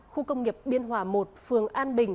khu công nghiệp biên hòa một phường an bình